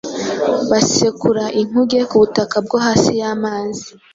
basekura inkuge ku butaka bwo hasi y’amazi;